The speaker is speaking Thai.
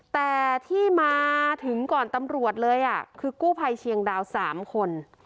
แต่ที่มาถึงก่อนตำรวจเลยคือกู้ภัยเชียงดาว๓คน